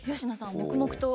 黙々と。